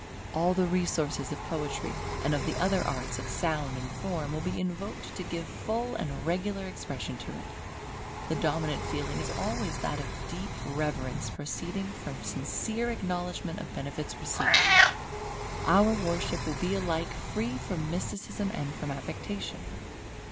All the resources of Poetry, and of the other arts of sound and form, will be invoked to give full and regular expression to it. The dominant feeling is always that of deep reverence proceeding from sincere acknowledgment of benefits received. Our worship will be alike free from mysticism and from affectation.